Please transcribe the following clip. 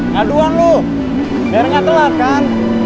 kau aduan lo biar ga telat kan